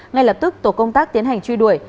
ngay lập tức tổ công tác tiến hành truy đuổi